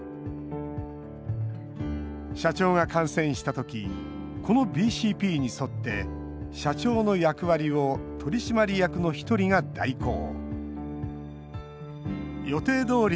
社長が感染した時このＢＣＰに沿って社長の役割を取締役の１人が代行。